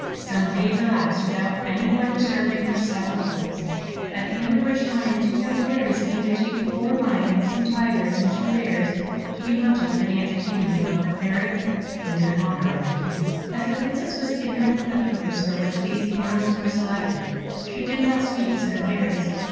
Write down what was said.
Some days elapsed without any one disturbing her sad repose; at the end of which time two young fairies came to take four lions, some tigers, and two bears to be hunted for the entertainment of the Fairy and in honour of the King. As the Princess was ignorant of the purpose for which these animals were selected, she did not speak to the Fairies.